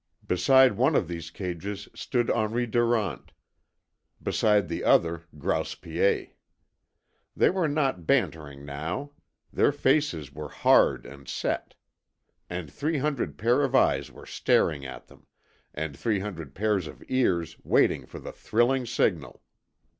Beside one of these cages stood Henri Durant; beside the other, Grouse Piet. They were not bantering now. Their faces were hard and set. And three hundred pairs of eyes were staring at them, and three hundred pairs of ears waiting for the thrilling signal.